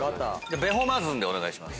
ベホマズンでお願いします。